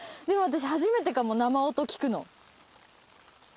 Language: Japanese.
でも私初めてかも生音聞くの。